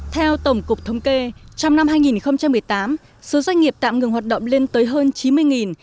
theo tổng cục thống kê trong năm hai nghìn một mươi tám số doanh nghiệp tạm ngừng hoạt động lên tới hơn chín mươi